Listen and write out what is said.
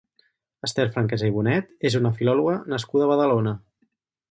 Ester Franquesa i Bonet és una filòloga nascuda a Badalona.